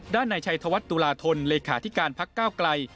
ในชัยธวัฒน์ตุลาธนเลขาธิการพักก้าวไกล